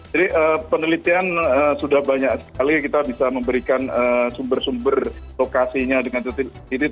jadi penelitian sudah banyak sekali kita bisa memberikan sumber sumber lokasinya dengan tetap itu